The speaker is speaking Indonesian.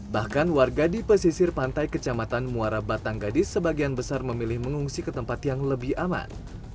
bahkan warga di pesisir pantai kecamatan muara batang gadis sebagian besar memilih mengungsi ke tempat yang lebih aman